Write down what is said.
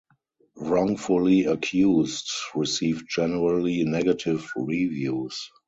"Wrongfully Accused" received generally negative reviews.